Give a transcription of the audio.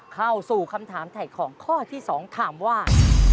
เข้าสู่คำถามถ่ายของข้อที่๒ถามว่า